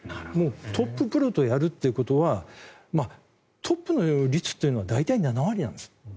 トッププロとやるってことはトップの率というのは大体７割なんです。